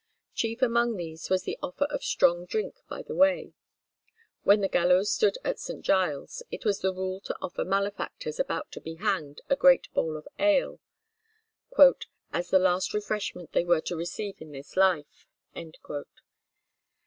Chief among these was the offer of strong drink by the way. When the gallows stood at St. Giles it was the rule to offer malefactors about to be hanged a great bowl of ale, "as the last refreshment they were to receive in this life."